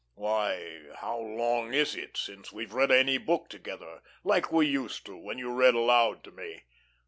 Why, how long is it since we've read any book together, like we used to when you read aloud to me?"